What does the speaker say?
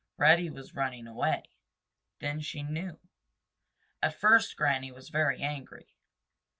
Reddy was running away. Then she knew. At first Granny was very angry.